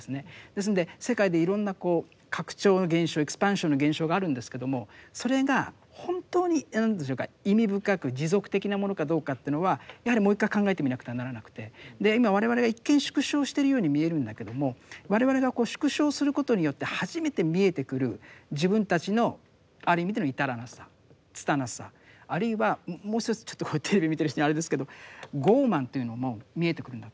ですので世界でいろんな拡張の現象エクスパンションの現象があるんですけどもそれが本当に何でしょうか意味深く持続的なものかどうかというのはやはりもう一回考えてみなくてはならなくて今我々が一見縮小してるように見えるんだけども我々がこう縮小することによって初めて見えてくる自分たちのある意味での至らなさ拙さあるいはもう一つちょっとこれテレビで見てる人にあれですけど傲慢というのも見えてくるんだと思うんです。